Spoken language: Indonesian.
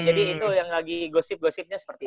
jadi itu lagi yang gosip gosipnya seperti itu